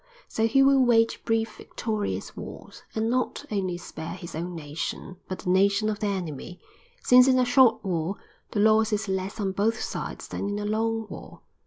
So he will wage brief victorious wars, and not only spare his own nation, but the nation of the enemy, since in a short war the loss is less on both sides than in a long war.